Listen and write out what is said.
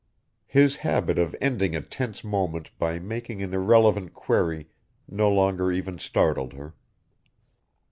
His habit of ending a tense moment by making an irrelevant query no longer even startled her.